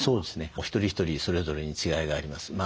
お一人お一人それぞれに違いがあります。